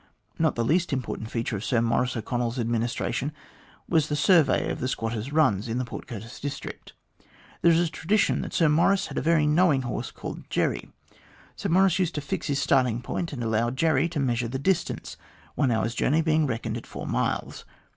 Not the least important feature of Sir Maurice O'Connell's administration was the survey of the squatters' runs in the Port Curtis district. There is a tradition that Sir Maurice had a very knowing horse called Jerry. Sir Maurice used to fix his starting point and allow Jerry to measure the distance, one hour's journey being reckoned at four miles.